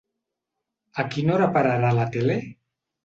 A quina hora pararà la tele?